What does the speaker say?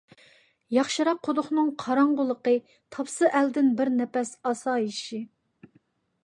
ياخشىراق قۇدۇقنىڭ قاراڭغۇلۇقى، تاپسا ئەلدىن بىر نەپەس ئاسايىشى.